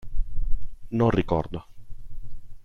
Non ricordo.